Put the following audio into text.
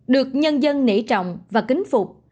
được nhân dân nể trọng và kính phục